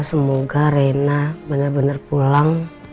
semoga reina benar benar pulang